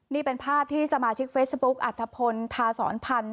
นี่เป็นภาพที่สมาชิกเฟซบุ๊คอัฐพลทาสอนพันธ์